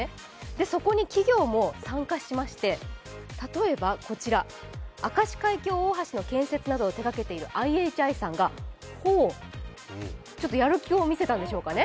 そこに企業も参加しまして、例えばこちら、明石海峡大橋の建設などを手掛けている、ＩＨＩさんがほうちょっとやる気を見せたんでしょうかね。